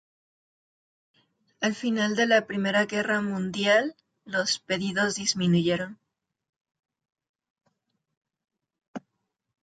Al final de la Primera Guerra Mundial, los pedidos disminuyeron.